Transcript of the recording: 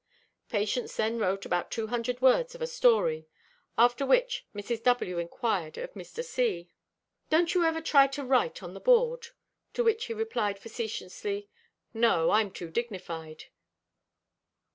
Patience then wrote about two hundred words of a story, after which Mrs. W. inquired of Mr. C: "Don't you ever try to write on the board?" To which he replied facetiously, "No, I'm too dignified."